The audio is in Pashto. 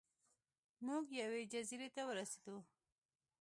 موږ یوې جزیرې ته ورسیدو.